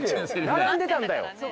並んでたんだよ。